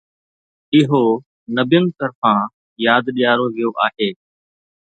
اهو نبين طرفان ياد ڏياريو ويو آهي.